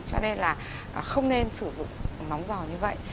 cho nên là không nên sử dụng nóng giò như vậy